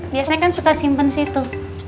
biasanya kan suka simpen situ